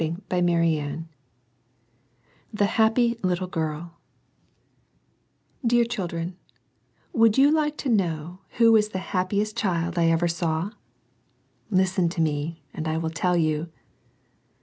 >^5 ^S ^ 4^ •'k THE HAPPY LITTLE GIRLx DEAR Children, — ^Would you like to know who was the happiest child I ever saw? Listen to me, and I will tell you.